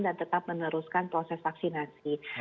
dan tetap meneruskan proses vaksinasi